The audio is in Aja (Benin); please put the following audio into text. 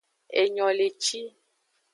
Enyoleci.